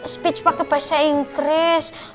speech pake bahasa inggris